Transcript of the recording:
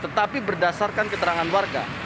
tetapi berdasarkan keterangan warga